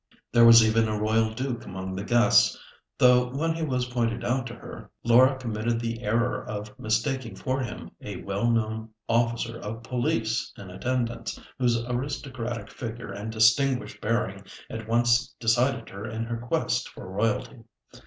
There was even a Royal Duke among the guests, though when he was pointed out to her, Laura committed the error of mistaking for him a well known officer of police in attendance, whose aristocratic figure and distinguished bearing at once decided her in her quest for royalty.